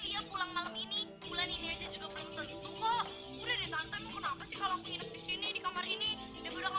suraya suraya akhirnya tidur di kamar bagus lagi